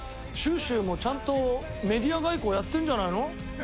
シュウシュウもちゃんとメディア外交やってるんじゃないの？